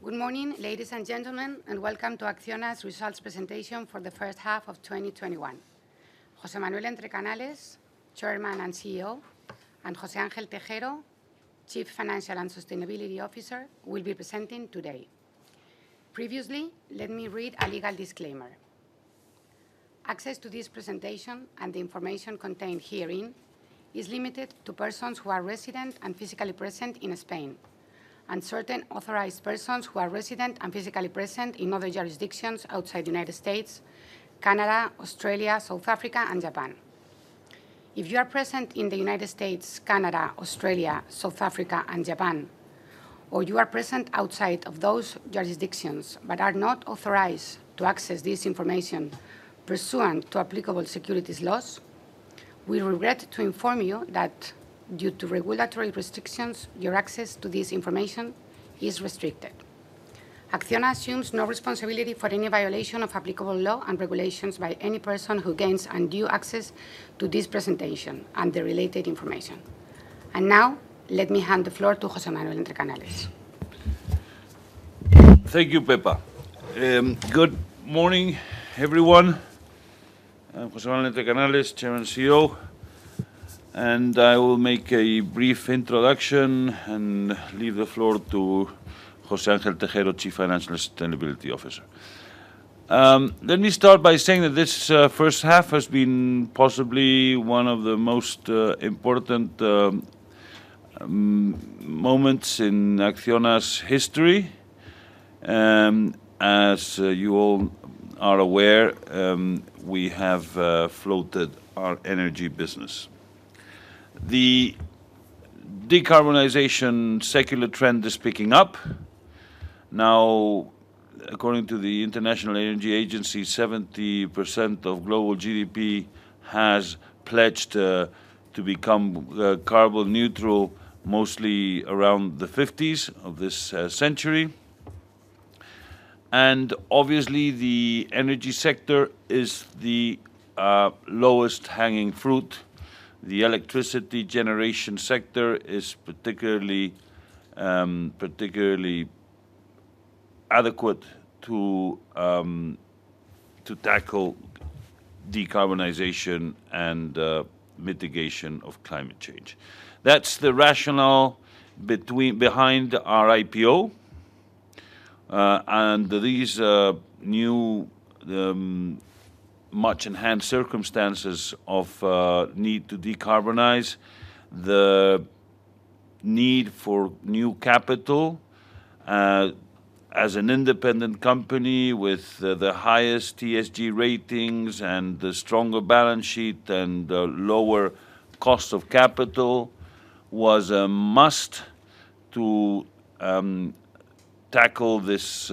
Good morning, ladies and gentlemen, and welcome to Acciona's results presentation for the first half of 2021. José Manuel Entrecanales, Chairman and CEO, and José Ángel Tejero, Chief Financial and Sustainability Officer, will be presenting today. Previously, let me read a legal disclaimer. Access to this presentation and the information contained herein is limited to persons who are resident and physically present in Spain, and certain authorized persons who are resident and physically present in other jurisdictions outside the United States, Canada, Australia, South Africa, and Japan. If you are present in the United States, Canada, Australia, South Africa, and Japan, or you are present outside of those jurisdictions but are not authorized to access this information pursuant to applicable securities laws, we regret to inform you that due to regulatory restrictions, your access to this information is restricted. Acciona assumes no responsibility for any violation of applicable law and regulations by any person who gains undue access to this presentation and the related information. Now, let me hand the floor to José Manuel Entrecanales. Thank you, Pepa. Good morning, everyone. I'm José Manuel Entrecanales, Chairman and CEO, I will make a brief introduction and leave the floor to José Ángel Tejero, Chief Financial and Sustainability Officer. Let me start by saying that this first half has been possibly one of the most important moments in Acciona's history. As you all are aware, we have floated our energy business. The decarbonization secular trend is picking up. Now, according to the International Energy Agency, 70% of global GDP has pledged to become carbon neutral, mostly around the 50%s of this century. Obviously, the energy sector is the lowest hanging fruit. The electricity generation sector is particularly adequate to tackle decarbonization and mitigation of climate change. That's the rationale behind our IPO. These new, much-enhanced circumstances of need to decarbonize, the need for new capital, as an independent company with the highest ESG ratings and the stronger balance sheet and the lower cost of capital, was a must to tackle this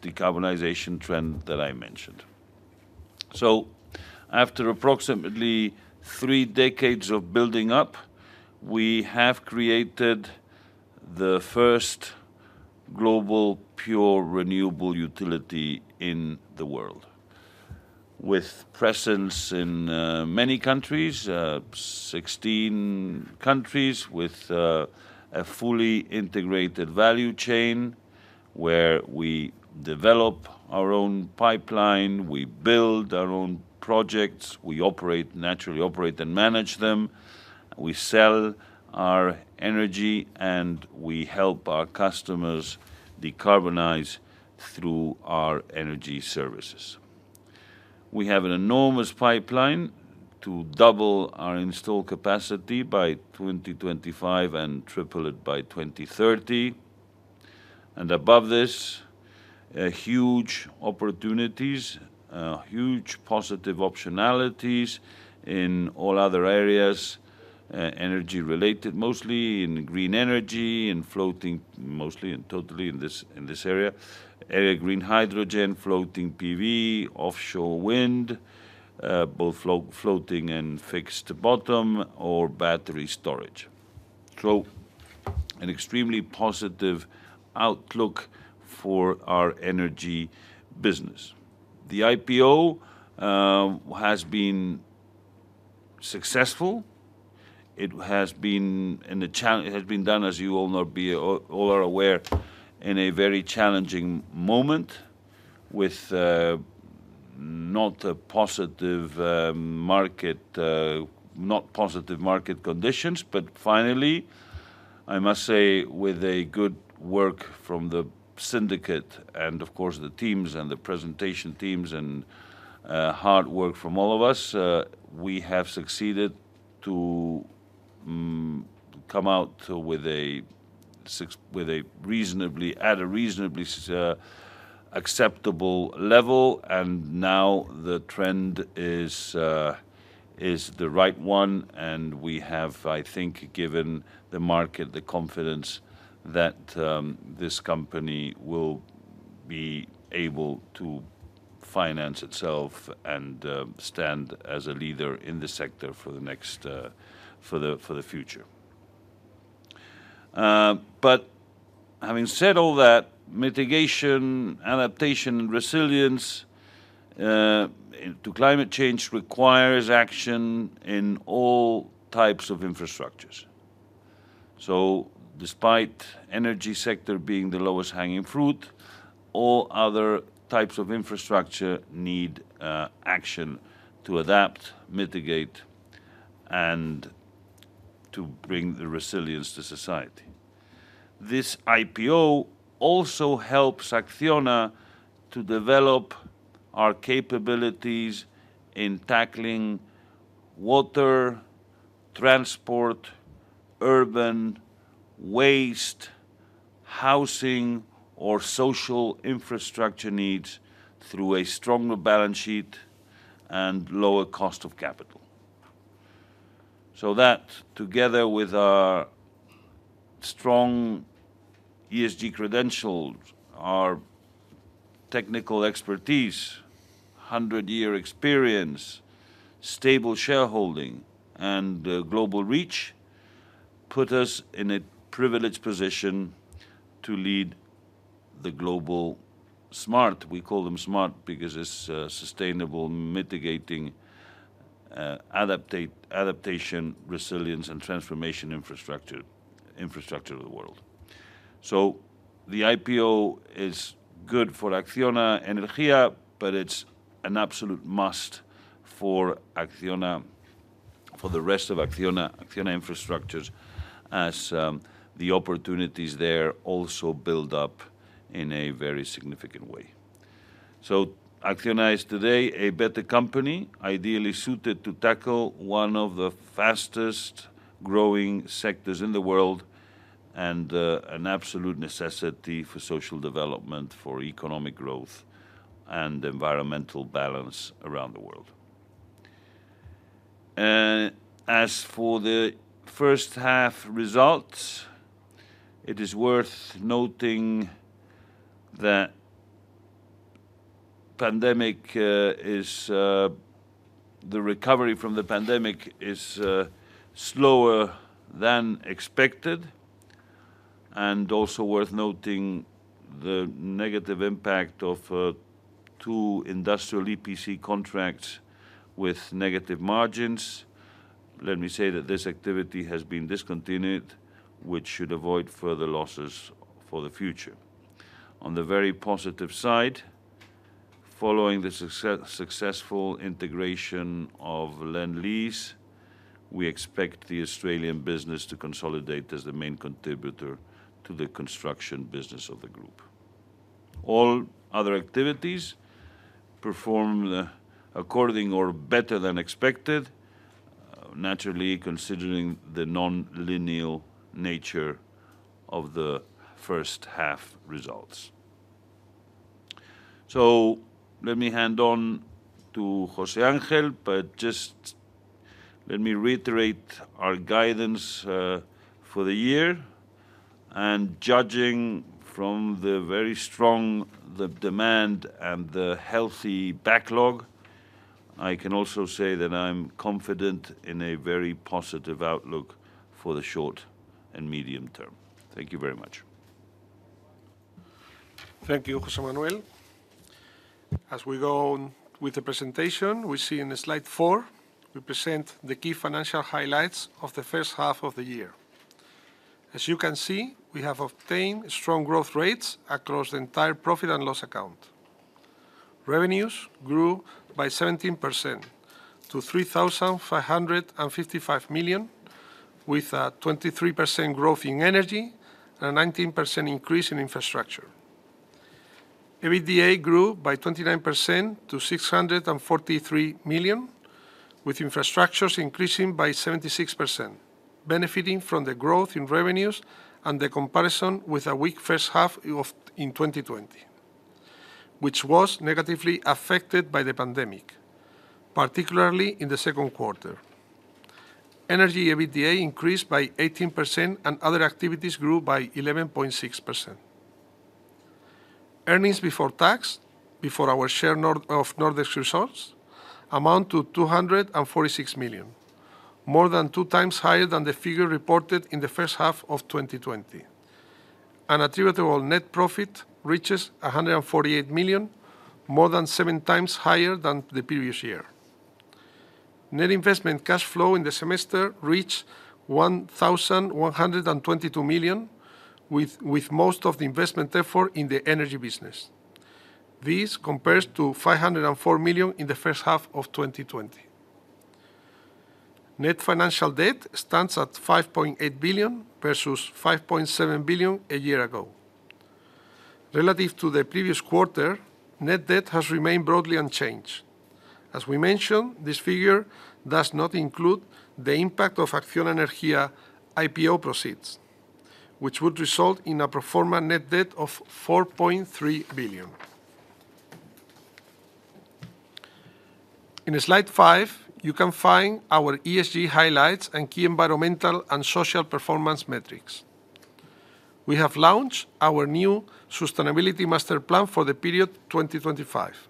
decarbonization trend that I mentioned. After approximately three decades of building up, we have created the first global pure renewable utility in the world, with presence in many countries, 16 countries with a fully integrated value chain where we develop our own pipeline, we build our own projects, we naturally operate and manage them, we sell our energy, and we help our customers decarbonize through our energy services. We have an enormous pipeline to double our installed capacity by 2025 and triple it by 2030. Above this, huge opportunities, huge positive optionalities in all other areas, energy-related, mostly in green energy and totally in this area. Area green hydrogen, floating PV, offshore wind, both floating and fixed bottom, or battery storage. An extremely positive outlook for our energy business. The IPO has been successful. It has been done, as you all are aware, in a very challenging moment with not positive market conditions. Finally, I must say with a good work from the syndicate and of course the teams and the presentation teams and hard work from all of us, we have succeeded to come out at a reasonably acceptable level. Now the trend is the right one. We have, I think, given the market the confidence that this company will be able to finance itself and stand as a leader in the sector for the future. Having said all that, mitigation, adaptation, and resilience to climate change requires action in all types of infrastructures. Despite energy sector being the lowest hanging fruit, all other types of infrastructure need action to adapt, mitigate, and to bring the resilience to society. This IPO also helps Acciona to develop our capabilities in tackling water, transport, urban waste, housing, or social infrastructure needs through a stronger balance sheet and lower cost of capital. That, together with our strong ESG credentials, our technical expertise, 100-year experience, stable shareholding, and global reach, put us in a privileged position to lead the global SMART. We call them SMART because it's sustainable, mitigating, adaptation, resilience, and transformation infrastructure of the world. The IPO is good for Acciona Energía, but it's an absolute must for the rest of Acciona infrastructures, as the opportunities there also build up in a very significant way. Acciona is today a better company, ideally suited to tackle one of the fastest-growing sectors in the world, and an absolute necessity for social development, for economic growth, and environmental balance around the world. As for the first half results, it is worth noting that the recovery from the pandemic is slower than expected, and also worth noting the negative impact of two industrial EPC contracts with negative margins. Let me say that this activity has been discontinued, which should avoid further losses for the future. On the very positive side, following the successful integration of Lendlease, we expect the Australian business to consolidate as the main contributor to the construction business of the group. All other activities perform according or better than expected, naturally considering the non-linear nature of the first half results. Let me hand on to José Ángel, just let me reiterate our guidance for the year. Judging from the very strong demand and the healthy backlog, I can also say that I'm confident in a very positive outlook for the short and medium term. Thank you very much. Thank you, José Manuel. As we go on with the presentation, we see in slide four, we present the key financial highlights of the first half of the year. As you can see, we have obtained strong growth rates across the entire profit and loss account. Revenues grew by 17% to 3,555 million, with a 23% growth in energy and a 19% increase in infrastructure. EBITDA grew by 29% to 643 million, with infrastructures increasing by 76%, benefiting from the growth in revenues and the comparison with a weak first half in 2020, which was negatively affected by the pandemic, particularly in the second quarter. Energy EBITDA increased by 18% and other activities grew by 11.6%. Earnings before tax, before our share of Nordex results, amount to 246 million, more than 2x higher than the figure reported in the first half of 2020. Attributable net profit reaches 148 million, more than 7x higher than the previous year. Net investment cash flow in the semester reached 1,122 million, with most of the investment, therefore, in the energy business. This compares to 504 million in the first half of 2020. Net financial debt stands at 5.8 billion versus 5.7 billion a year ago. Relative to the previous quarter, net debt has remained broadly unchanged. As we mentioned, this figure does not include the impact of Acciona Energía IPO proceeds, which would result in a pro forma net debt of 4.3 billion. In slide five, you can find our ESG highlights and key environmental and social performance metrics. We have launched our new sustainability master plan for the period 2025.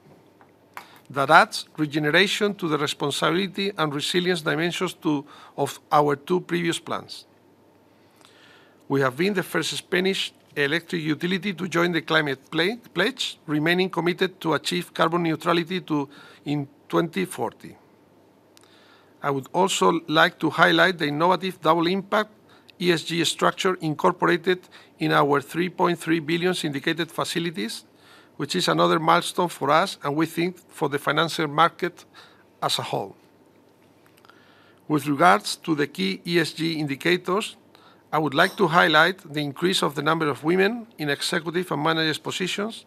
That adds regeneration to the responsibility and resilience dimensions of our two previous plans. We have been the first Spanish electric utility to join the climate pledge, remaining committed to achieve carbon neutrality in 2040. I would also like to highlight the innovative double impact ESG structure incorporated in our 3.3 billion indicated facilities, which is another milestone for us, and we think for the financial market as a whole. With regards to the key ESG indicators, I would like to highlight the increase of the number of women in executive and managerial positions,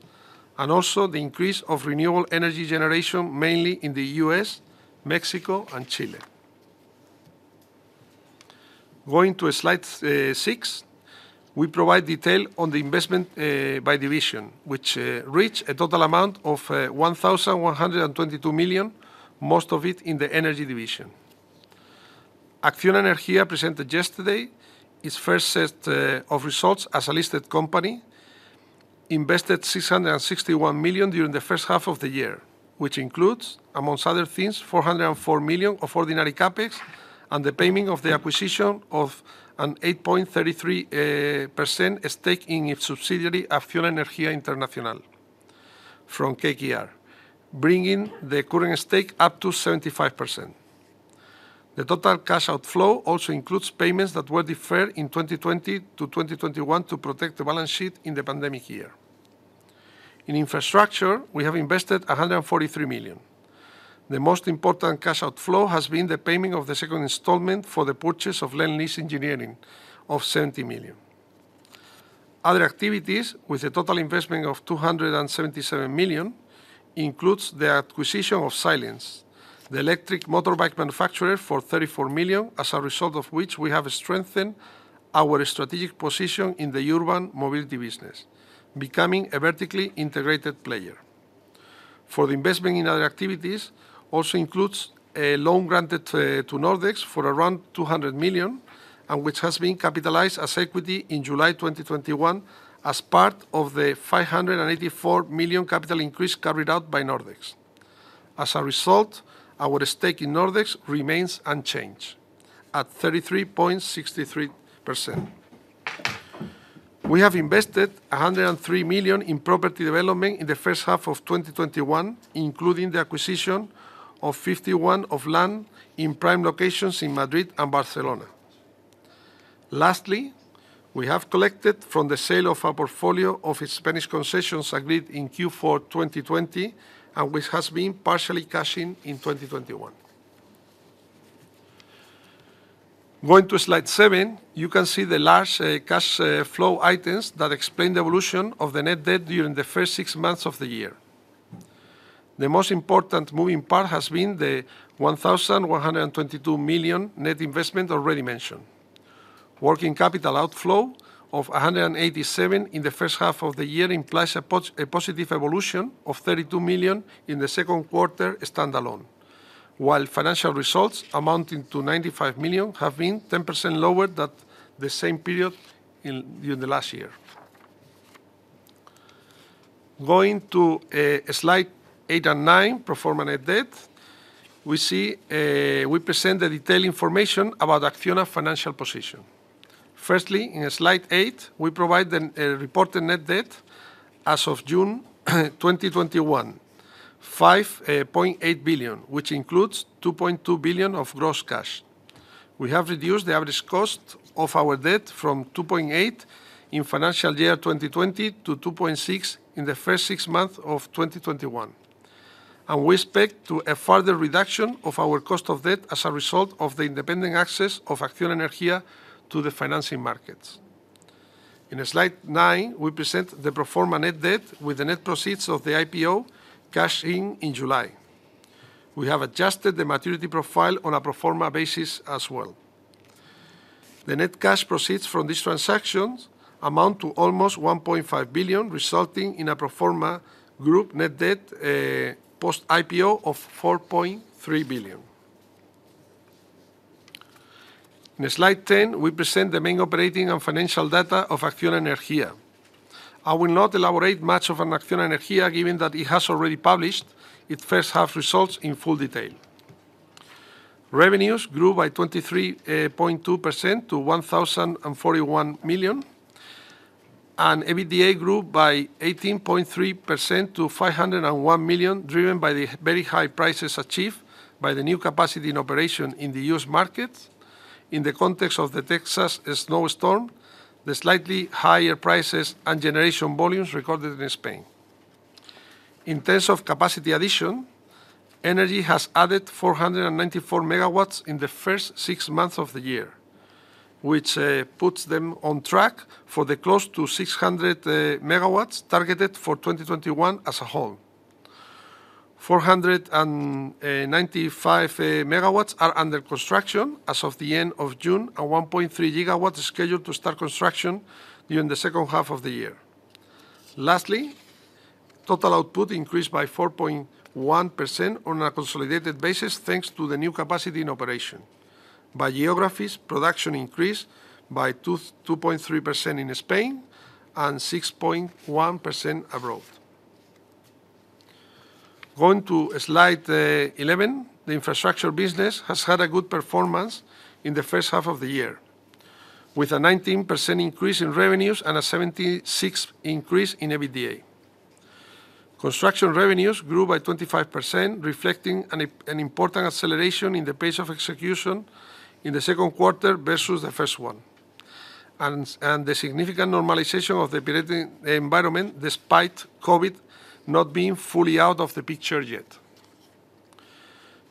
and also the increase of renewable energy generation, mainly in the U.S., Mexico, and Chile. Going to slide six, we provide detail on the investment by division, which reach a total amount of 1,122 million, most of it in the energy division. Acciona Energía presented yesterday its first set of results as a listed company, invested 661 million during the first half of the year, which includes, amongst other things, 404 million of ordinary CapEx and the payment of the acquisition of an 8.33% stake in its subsidiary, Acciona Energía Internacional from KKR, bringing the current stake up to 75%. The total cash outflow also includes payments that were deferred in 2020 to 2021 to protect the balance sheet in the pandemic year. In infrastructure, we have invested 143 million. The most important cash outflow has been the payment of the second installment for the purchase of Lendlease Engineering of 70 million. Other activities, with a total investment of 277 million, includes the acquisition of Silence, the electric motorbike manufacturer, for 34 million, as a result of which we have strengthened our strategic position in the urban mobility business, becoming a vertically integrated player. For the investment in other activities, also includes a loan granted to Nordex for around 200 million, and which has been capitalized as equity in July 2021 as part of the 584 million capital increase carried out by Nordex. As a result, our stake in Nordex remains unchanged at 33.63%. We have invested 103 million in property development in the first half of 2021, including the acquisition of 51 of land in prime locations in Madrid and Barcelona. Lastly, we have collected from the sale of our portfolio of Spanish concessions agreed in Q4 2020, and which has been partially cashed in in 2021. Going to slide seven, you can see the large cash flow items that explain the evolution of the net debt during the first six months of the year. The most important moving part has been the 1,122 million net investment already mentioned. Working capital outflow of 187 million in the first half of the year implies a positive evolution of 32 million in the second quarter standalone. While financial results amounting to 95 million have been 10% lower than the same period during the last year. Going to slide eight and nine, pro forma net debt. We present the detailed information about Acciona financial position. Firstly, in slide eight, we provide the reported net debt as of June 2021, 5.8 billion, which includes 2.2 billion of gross cash. We have reduced the average cost of our debt from 2.8 million in FY 2020 to 2.6 million in the first six months of 2021. We expect to a further reduction of our cost of debt as a result of the independent access of Acciona Energía to the financing markets. In slide nine, we present the pro forma net debt with the net proceeds of the IPO cashed in in July. We have adjusted the maturity profile on a pro forma basis as well. The net cash proceeds from these transactions amount to almost 1.5 billion, resulting in a pro forma group net debt, post IPO, of 4.3 billion. In slide 10, we present the main operating and financial data of Acciona Energía. I will not elaborate much on Acciona Energía given that it has already published its first half results in full detail. Revenues grew by 23.2% to 1,041 million. EBITDA grew by 18.3% to 501 million, driven by the very high prices achieved by the new capacity and operation in the U.S. market in the context of the Texas snowstorm, the slightly higher prices and generation volumes recorded in Spain. In terms of capacity addition, Energy has added 494 MW in the first six months of the year, which puts them on track for the close to 600 MW targeted for 2021 as a whole. 495 MW are under construction as of the end of June. 1.3 GW are scheduled to start construction during the second half of the year. Lastly, total output increased by 4.1% on a consolidated basis, thanks to the new capacity and operation. By geographies, production increased by 2.3% in Spain and 6.1% abroad. Going to slide 11. The infrastructure business has had a good performance in the first half of the year, with a 19% increase in revenues and a 76% increase in EBITDA. Construction revenues grew by 25%, reflecting an important acceleration in the pace of execution in the second quarter versus the first one, and the significant normalization of the building environment, despite COVID not being fully out of the picture yet.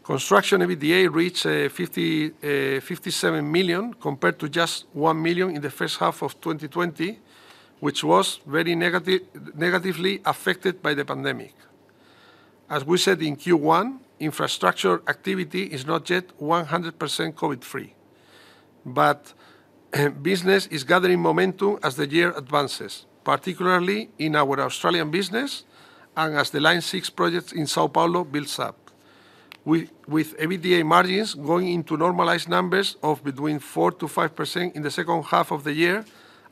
Construction EBITDA reached 57 million, compared to just 1 million in the first half of 2020, which was very negatively affected by the pandemic. As we said in Q1, infrastructure activity is not yet 100% COVID-free, but business is gathering momentum as the year advances, particularly in our Australian business and as the Line 6 project in São Paulo builds up. With EBITDA margins going into normalized numbers of between 4% to 5% in the second half of the year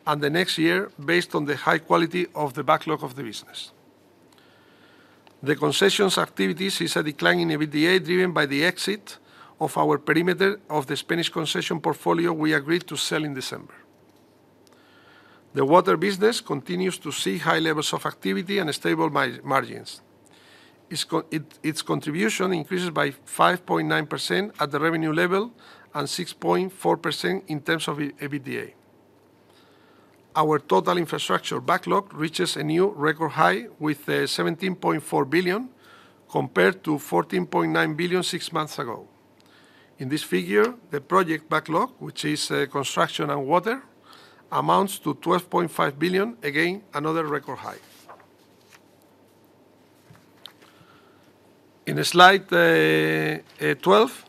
and the next year, based on the high quality of the backlog of the business. The concessions activities is a decline in EBITDA, driven by the exit of our perimeter of the Spanish concession portfolio we agreed to sell in December. The water business continues to see high levels of activity and stable margins. Its contribution increases by 5.9% at the revenue level and 6.4% in terms of EBITDA. Our total infrastructure backlog reaches a new record high with 17.4 billion, compared to 14.9 billion six months ago. In this figure, the project backlog, which is construction and water, amounts to 12.5 billion. Again, another record high. In slide 12,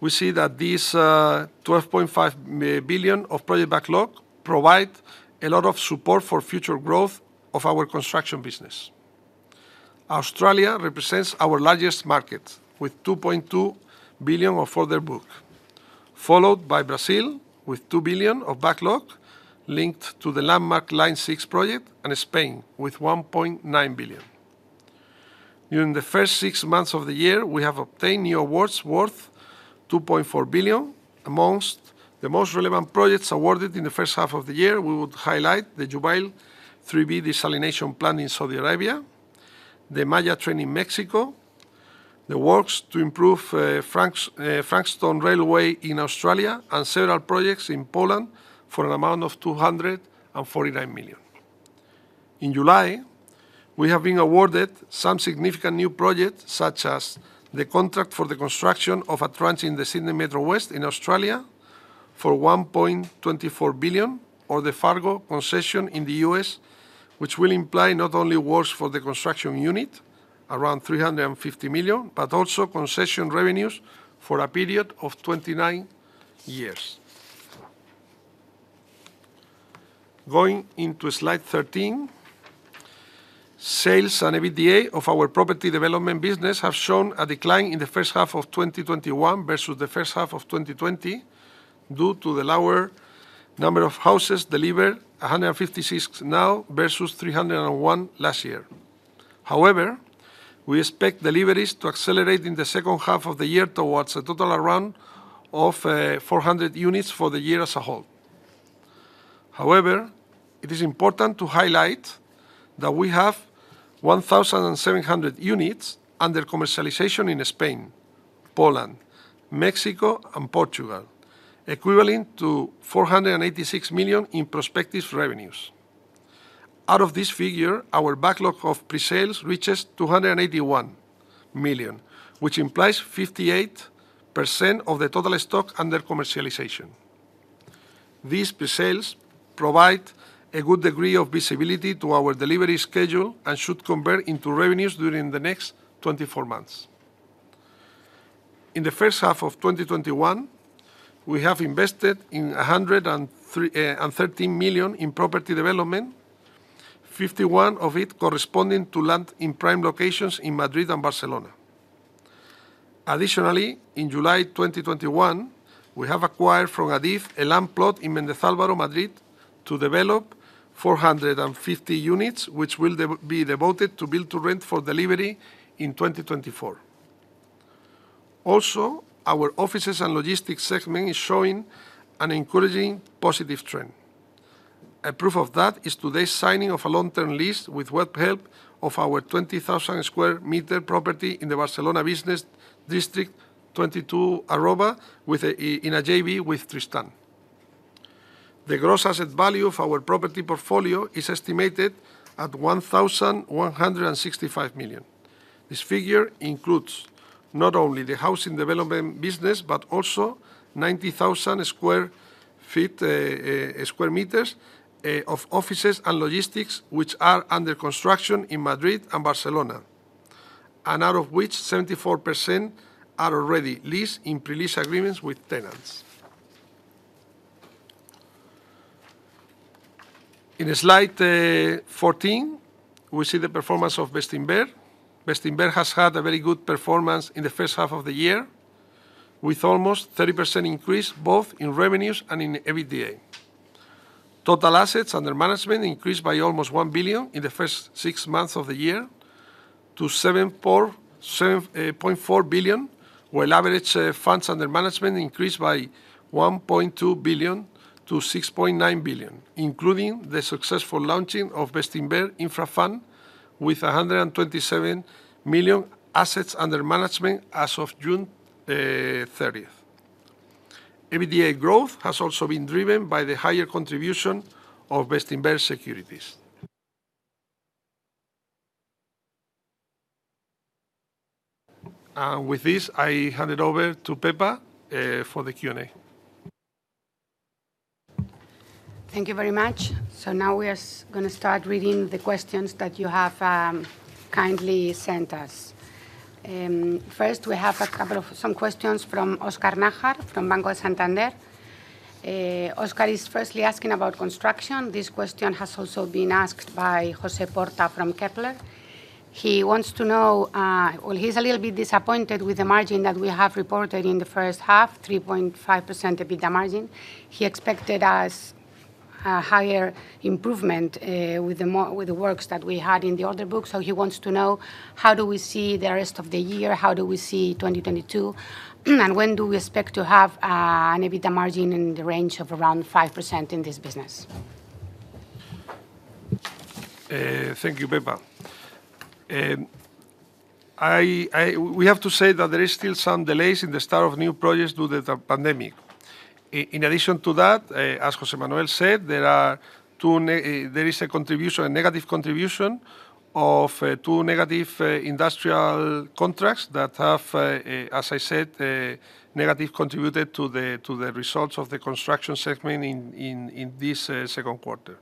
we see that this 12.5 billion of project backlog provide a lot of support for future growth of our construction business. Australia represents our largest market, with 2.2 billion of order book, followed by Brazil with 2 billion of backlog linked to the landmark Line 6 project, and Spain with 1.9 billion. During the first six months of the year, we have obtained new awards worth 2.4 billion. Among the most relevant projects awarded in the first half of the year, we would highlight the Jubail 3B desalination plant in Saudi Arabia, the Tren Maya in Mexico, the works to improve Frankston railway in Australia, and several projects in Poland for an amount of 249 million. In July, we have been awarded some significant new projects, such as the contract for the construction of a trunk in the Sydney Metro West in Australia for 1.24 billion, or the Fargo concession in the U.S., which will imply not only works for the construction unit, around 350 million, but also concession revenues for a period of 29 years. Going into slide 13. Sales and EBITDA of our property development business have shown a decline in the first half of 2021 versus the first half of 2020 due to the lower number of houses delivered, 156 now, versus 301 last year. However, we expect deliveries to accelerate in the second half of the year towards a total around of 400 units for the year as a whole. However, it is important to highlight that we have 1,700 units under commercialization in Spain, Poland, Mexico, and Portugal, equivalent to 486 million in prospective revenues. Out of this figure, our backlog of pre-sales reaches 281 million, which implies 58% of the total stock under commercialization. These pre-sales provide a good degree of visibility to our delivery schedule and should convert into revenues during the next 24 months. In the first half of 2021, we have invested 113 million in property development, 51 of it corresponding to land in prime locations in Madrid and Barcelona. Additionally, in July 2021, we have acquired from ADIF a land plot in Méndez Álvaro, Madrid to develop 450 units, which will be devoted to build to rent for delivery in 2024. Also, our offices and logistics segment is showing an encouraging positive trend. A proof of that is today's signing of a long-term lease with Webhelp of our 20,000 sq m property in the Barcelona business district 22@, in a JV with Tristan. The gross asset value of our property portfolio is estimated at 1,165 million. This figure includes not only the housing development business, but also 90,000 sq m of offices and logistics, which are under construction in Madrid and Barcelona, and out of which 74% are already leased in pre-lease agreements with tenants. In slide 14, we see the performance of Bestinver. Bestinver has had a very good performance in the first half of the year, with almost 30% increase both in revenues and in EBITDA. Total assets under management increased by almost 1 billion in the first six months of the year to 7.4 billion, where average funds under management increased by 1.2 billion to 6.9 billion, including the successful launching of Bestinver Infra Fund with 127 million assets under management as of June 30th. EBITDA growth has also been driven by the higher contribution of Bestinver Securities. With this, I hand it over to Pepa for the Q&A. Thank you very much. Now we are going to start reading the questions that you have kindly sent us. First, we have some questions from Óscar Nájar from Banco Santander. Óscar is firstly asking about construction. This question has also been asked by José Porta from Kepler. He's a little bit disappointed with the margin that we have reported in the first half, 3.5% EBITDA margin. He expected us a higher improvement, with the works that we had in the order book. He wants to know how do we see the rest of the year? How do we see 2022? When do we expect to have an EBITDA margin in the range of around 5% in this business? Thank you, Pepa. We have to say that there is still some delays in the start of new projects due to the pandemic. In addition to that, as José Manuel said, there is a negative contribution of two negative industrial contracts that have, as I said, negative contributed to the results of the construction segment in this second quarter.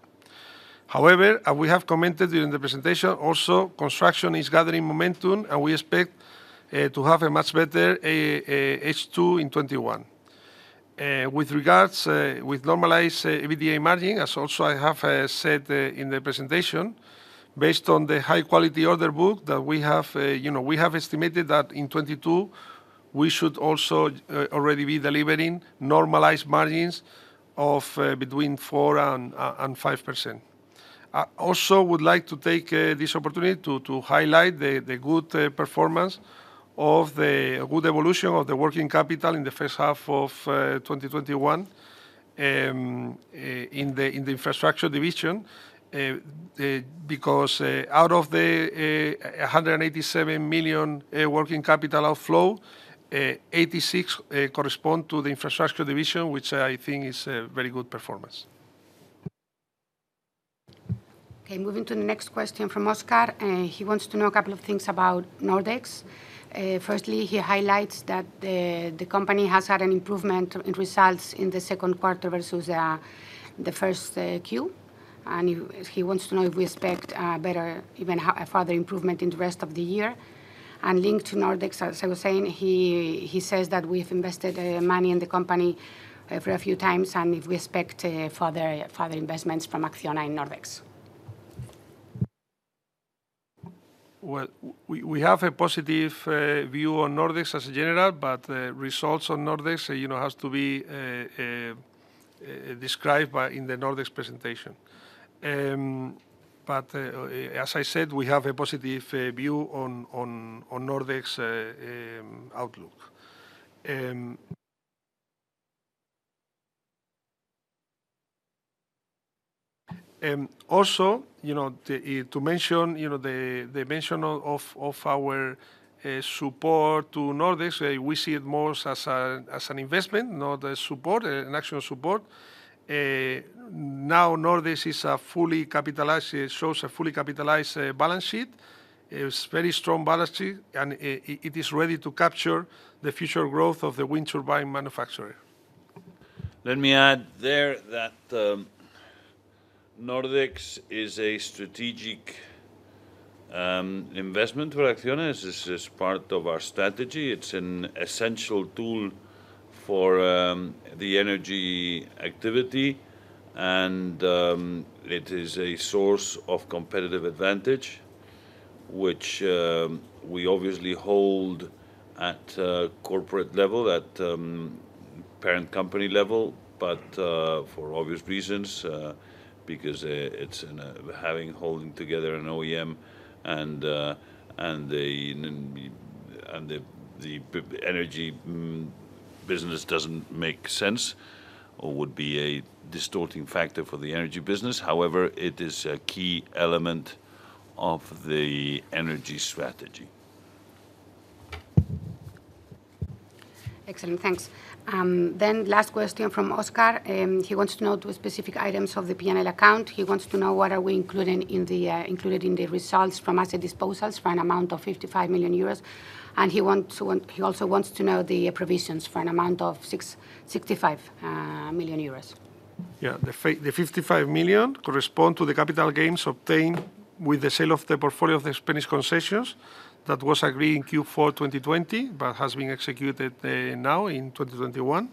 We have commented during the presentation also, construction is gathering momentum, and we expect to have a much better H2 in 2021. With regards with normalized EBITDA margin, as also I have said in the presentation, based on the high-quality order book that we have, we have estimated that in 2022, we should also already be delivering normalized margins of between 4% and 5%. I also would like to take this opportunity to highlight the good evolution of the working capital in the first half of 2021, in the infrastructure division, because out of the 187 million working capital outflow, 86 million correspond to the infrastructure division, which I think is a very good performance. Okay, moving to the next question from Óscar. He wants to know a couple of things about Nordex. Firstly, he highlights that the company has had an improvement in results in the second quarter versus the first Q. He wants to know if we expect a further improvement in the rest of the year. Linked to Nordex, as I was saying, he says that we've invested money in the company for a few times and if we expect further investments from Acciona in Nordex. We have a positive view on Nordex as a general, but the results on Nordex has to be described in the Nordex presentation. As I said, we have a positive view on Nordex outlook. To mention the mention of our support to Nordex, we see it more as an investment, not a support, an actual support. Nordex shows a fully capitalized balance sheet. It is very strong balance sheet, and it is ready to capture the future growth of the wind turbine manufacturer. Let me add there that Nordex is a strategic investment for Acciona. This is part of our strategy. It's an essential tool for the energy activity, and it is a source of competitive advantage, which we obviously hold at a corporate level, at parent company level. For obvious reasons, because it's holding together an OEM and the energy business doesn't make sense or would be a distorting factor for the energy business. However, it is a key element of the energy strategy. Excellent, thanks. Last question from Oscar. He wants to know two specific items of the P&L account. He wants to know what are we including in the results from asset disposals for an amount of 55 million euros. He also wants to know the provisions for an amount of 65 million euros. Yeah, the 55 million correspond to the capital gains obtained with the sale of the portfolio of the Spanish concessions that was agreed in Q4 2020, but has been executed now in 2021.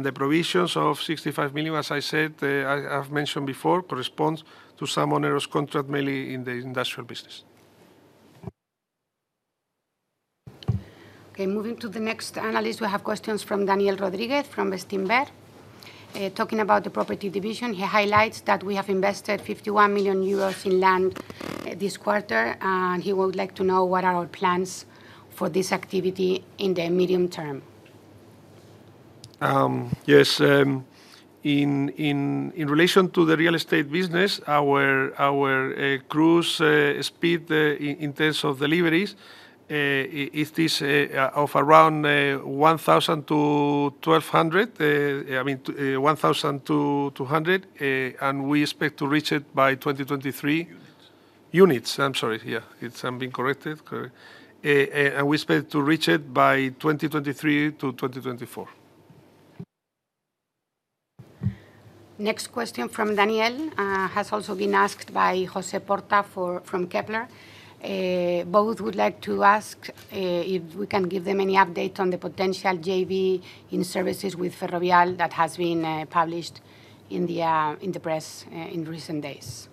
The provisions of 65 million, as I said, I've mentioned before, corresponds to some onerous contract, mainly in the industrial business. Okay, moving to the next analyst, we have questions from Daniel Rodríguez from Bestinver. Talking about the property division, he highlights that we have invested 51 million euros in land this quarter. He would like to know what are our plans for this activity in the medium term. Yes. In relation to the real estate business, our cruise speed in terms of deliveries is around 1,000-200, and we expect to reach it by 2023. Units. Units. I'm sorry. Yeah. I'm being corrected. Correct. We expect to reach it by 2023 to 2024. Next question from Daniel Rodríguez has also been asked by José Porta from Kepler. Both would like to ask if we can give them any update on the potential JV in services with Ferrovial that has been published in the press in recent days.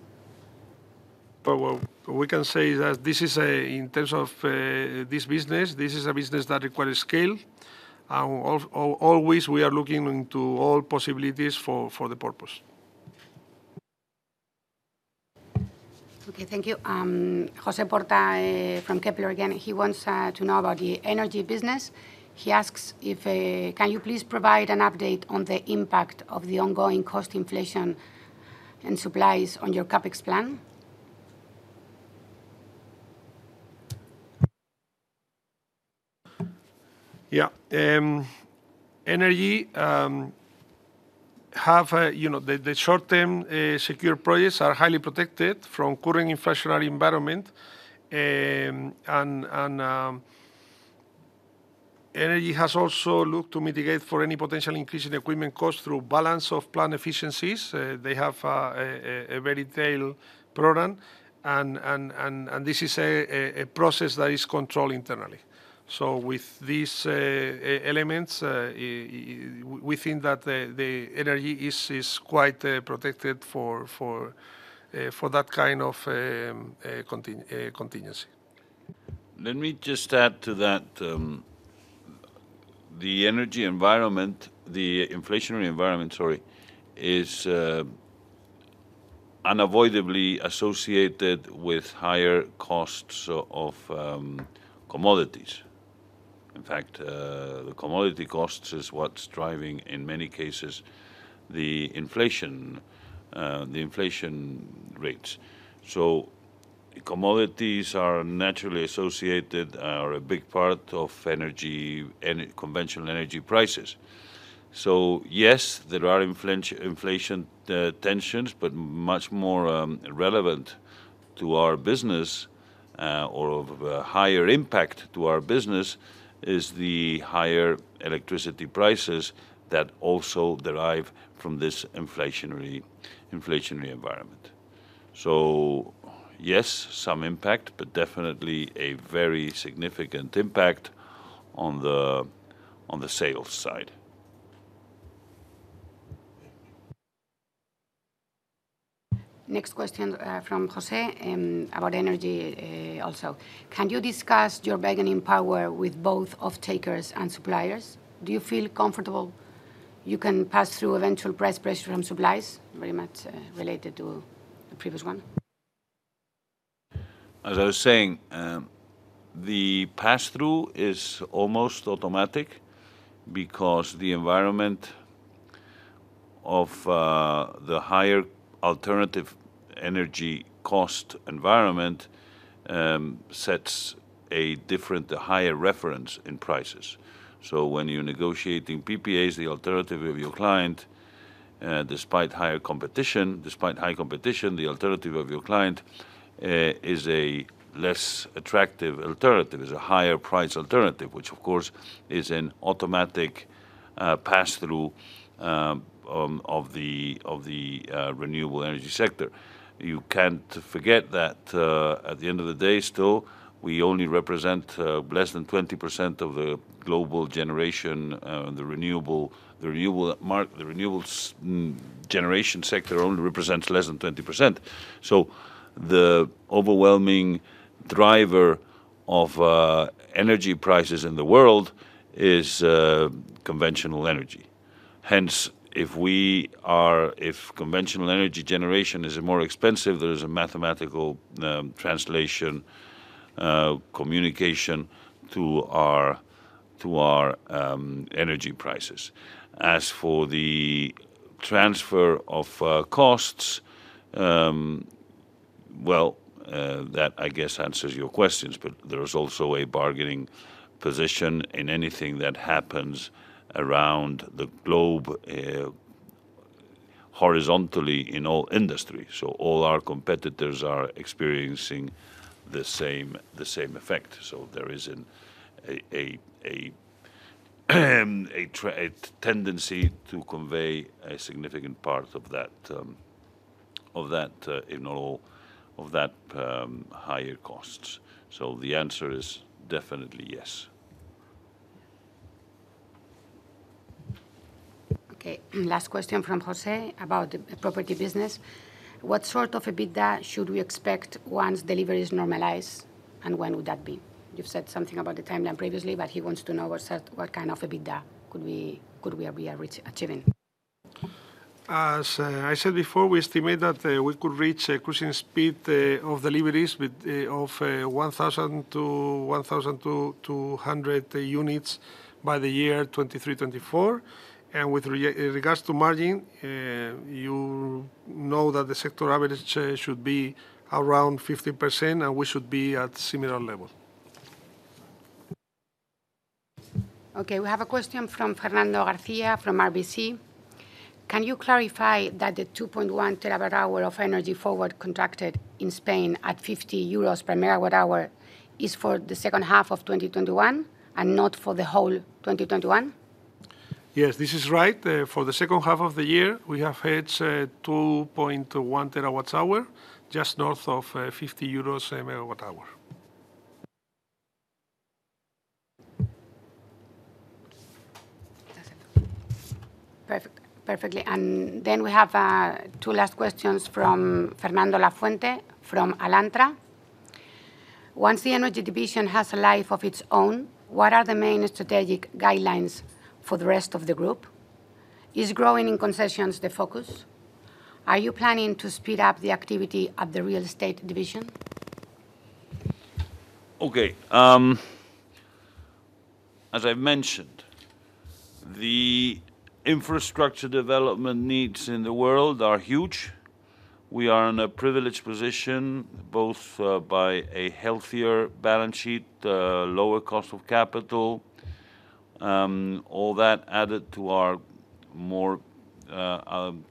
What we can say is that, in terms of this business, this is a business that requires scale. Always, we are looking into all possibilities for the purpose. Okay. Thank you. José Porta from Kepler again. He wants to know about the energy business. He asks, can you please provide an update on the impact of the ongoing cost inflation and supplies on your CapEx plan? Yeah. Energy, the short-term secure projects are highly protected from current inflationary environment. Energy has also looked to mitigate for any potential increase in equipment cost through balance of plant efficiencies. They have a very detailed program, and this is a process that is controlled internally. With these elements, we think that the Energy is quite protected for that kind of contingency. Let me just add to that. The energy environment, the inflationary environment, sorry, is unavoidably associated with higher costs of commodities. In fact, the commodity costs is what's driving, in many cases, the inflation rates. Commodities are naturally associated, are a big part of conventional energy prices. Yes, there are inflation tensions, but much more relevant to our business, or of a higher impact to our business, is the higher electricity prices that also derive from this inflationary environment. Yes, some impact, but definitely a very significant impact on the sales side. Next question from José about energy also. Can you discuss your bargaining power with both off-takers and suppliers? Do you feel comfortable you can pass through eventual price pressure from supplies? Very much related to the previous one. As I was saying, the pass-through is almost automatic because the environment of the higher alternative energy cost environment sets a different, higher reference in prices. When you're negotiating PPAs, the alternative of your client, despite high competition, the alternative of your client is a less attractive alternative, is a higher price alternative, which of course is an automatic pass-through of the renewable energy sector. You can't forget that at the end of the day still, we only represent less than 20% of the global generation. The renewable generation sector only represents less than 20%. The overwhelming driver of energy prices in the world is conventional energy. Hence, if conventional energy generation is more expensive, there is a mathematical translation communication to our energy prices. As for the transfer of costs, well, that I guess answers your questions, but there is also a bargaining position in anything that happens around the globe horizontally in all industries. All our competitors are experiencing the same effect. There is a tendency to convey a significant part of that, if not all of that, higher costs. The answer is definitely yes. Okay. Last question from José about the property business. What sort of EBITDA should we expect once delivery is normalized, and when would that be? You've said something about the timeline previously, but he wants to know what kind of EBITDA could we be achieving? As I said before, we estimate that we could reach a cruising speed of deliveries of 1,000-1,200 units by the year 2023, 2024. With regards to margin, you know that the sector average should be around 50%, and we should be at similar levels. Okay. We have a question from Fernando García from RBC. Can you clarify that the 2.1 TWh of energy forward contracted in Spain at 50 euros per MWh is for the second half of 2021 and not for the whole 2021? Yes, this is right. For the second half of the year, we have hedged 2.1 TWh, just north of EUR 50 a MWh. Perfect. Then we have two last questions from Fernando Lafuente from Alantra. Once the energy division has a life of its own, what are the main strategic guidelines for the rest of the group? Is growing in concessions the focus? Are you planning to speed up the activity of the real estate division? Okay. As I mentioned, the infrastructure development needs in the world are huge. We are in a privileged position, both by a healthier balance sheet, lower cost of capital. All that added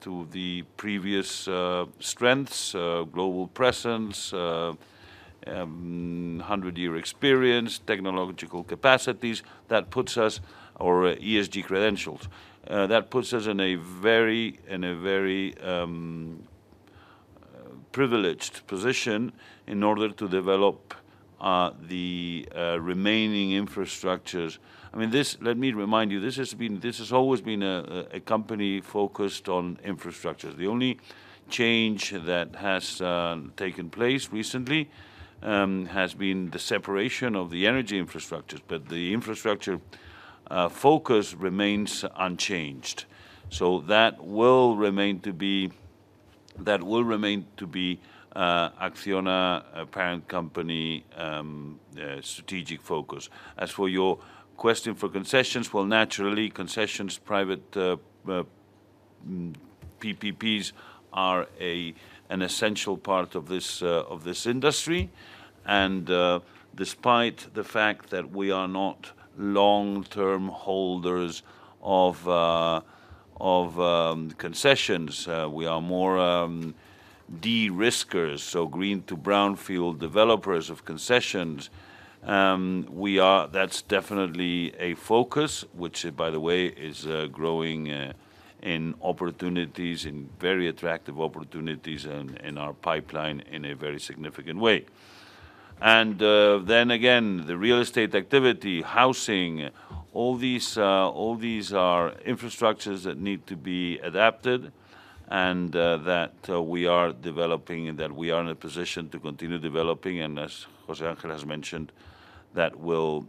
to the previous strengths, global presence, 100-year experience, technological capacities, or ESG credentials. That puts us in a very privileged position in order to develop the remaining infrastructures. Let me remind you, this has always been a company focused on infrastructure. The only change that has taken place recently has been the separation of the energy infrastructures. The infrastructure focus remains unchanged. That will remain to be Acciona parent company strategic focus. As for your question for concessions, well, naturally, concessions, private PPPs, are an essential part of this industry. Despite the fact that we are not long-term holders of concessions, we are more de-riskers, so green to brownfield developers of concessions. That's definitely a focus, which by the way, is growing in very attractive opportunities in our pipeline in a very significant way. The real estate activity, housing, all these are infrastructures that need to be adapted and that we are in a position to continue developing. As José Ángel has mentioned, that will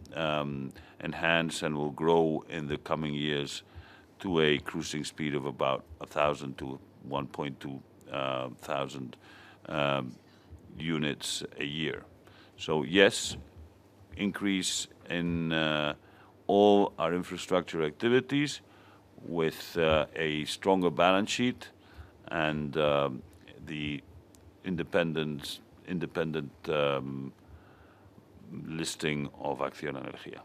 enhance and will grow in the coming years to a cruising speed of about 1,000-1,200 units a year. Increase in all our infrastructure activities with a stronger balance sheet and the independent listing of Acciona Energía.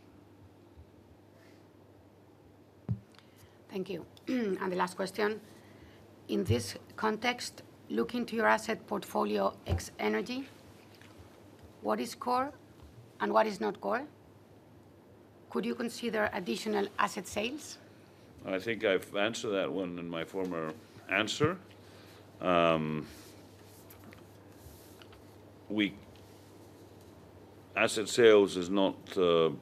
Thank you. The last question. In this context, looking to your asset portfolio ex energy, what is core and what is not core? Could you consider additional asset sales? I think I've answered that one in my former answer. Asset sales is not of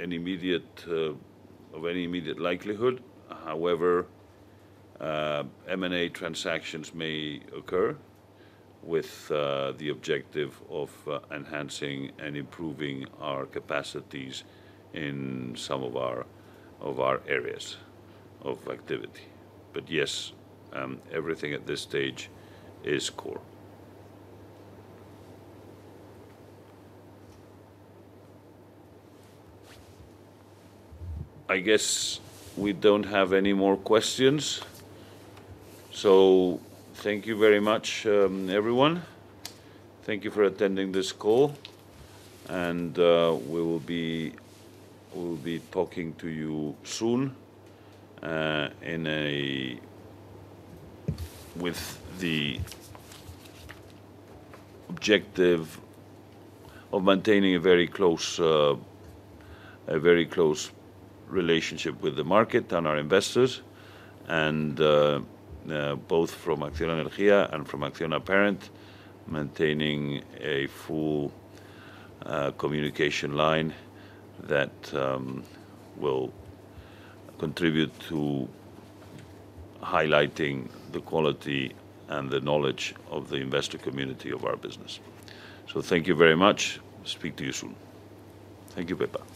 any immediate likelihood. However, M&A transactions may occur with the objective of enhancing and improving our capacities in some of our areas of activity. Yes, everything at this stage is core. I guess we don't have any more questions. Thank you very much, everyone. Thank you for attending this call. We will be talking to you soon with the objective of maintaining a very close relationship with the market and our investors. Both from Acciona Energía and from Acciona parent, maintaining a full communication line that will contribute to highlighting the quality and the knowledge of the investor community of our business. Thank you very much. Speak to you soon. Thank you, Pepa.